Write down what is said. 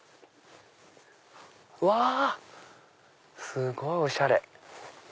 すごいおしゃれ。